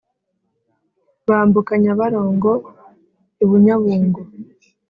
bambuka nyabarongo ibunyabungo